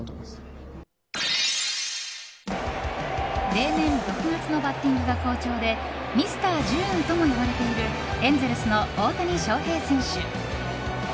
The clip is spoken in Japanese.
例年６月のバッティングが好調でミスター・ジューンとも呼ばれているエンゼルスの大谷翔平選手。